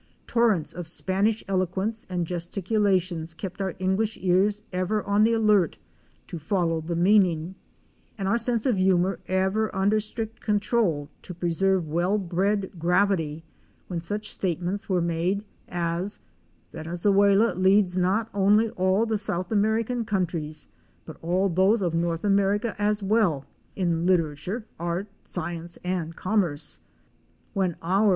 Torrents of Spanish eloquence and gesticulations kept our English ears ever on the alert to follow the meaning, and our sense of humor ever under strict control to pre serve well bred gravity when such statements were made as "Venezuela leads not only all the South American coun tries, but all those of North America as well, in literature, art, science and commerce. When our.